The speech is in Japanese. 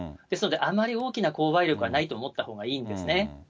ですので、あまり大きな購買力はないと思ったほうがいいんですね。